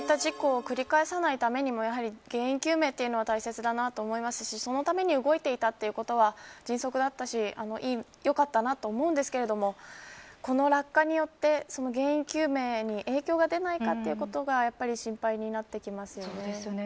二度とこういった事故を繰り返さないためにも原因究明は大切だなと思いますしそのために動いていたということは迅速だったしよかったなと思うんですがこの落下によって、原因究明に影響が出ないかということがやっぱり心配になってきますよね。